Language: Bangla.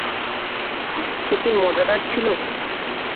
সে কি মজাদার ছিল?